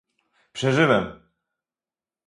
przeżyłem!